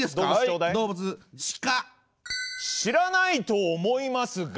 知らないと思いますが。